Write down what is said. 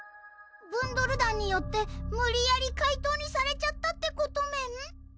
ブンドル団によって無理やり怪盗にされちゃってたってことメン？